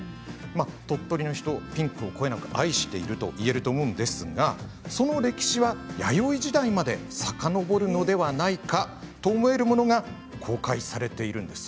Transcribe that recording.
鳥取の人ピンクをこよなく愛していると言えると思うんですけれどその歴史は弥生時代までさかのぼるのではないかと思えるものが公開されているんです。